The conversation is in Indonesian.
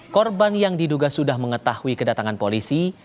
korban yang diduga sudah mengetahui kedatangan polisi